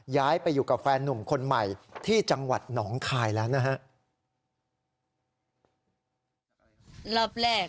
ย้ายไปอยู่กับแฟนหนุ่มคนใหม่ที่จังหวัดหนองคายแล้วนะฮะ